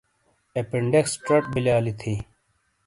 اپینڈکس چَٹ بِیلیا لی تھی۔